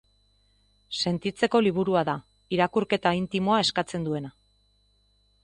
Sentitzeko liburua da, irakurketa intimoa eskatzen duena.